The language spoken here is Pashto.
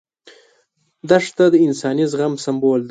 دښته د انساني زغم سمبول ده.